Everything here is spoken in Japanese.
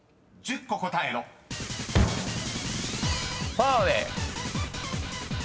ファーウェー。